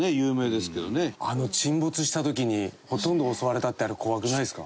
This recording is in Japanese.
沈没した時にほとんど襲われたってあれ怖くないですか？